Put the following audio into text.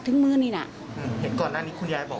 ต้องจ่อนของทศนาฮะ